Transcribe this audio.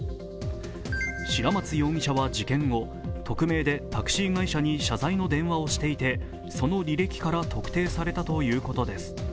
白松容疑者は事件後、匿名でタクシー会社に謝罪の電話をしていて、その履歴から特定されたということです。